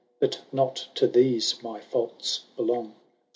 But not to these my ffiults belong.